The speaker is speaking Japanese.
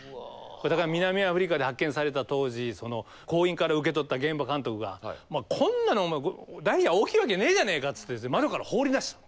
南アフリカで発見された当時鉱員から受け取った現場監督がこんなのお前ダイヤ大きいわけねえじゃねえかっつって窓から放り出した。